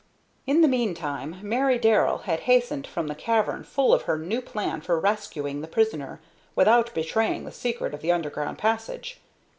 In the meantime Mary Darrell had hastened from the cavern full of her new plan for rescuing the prisoner without betraying the secret of the underground passage.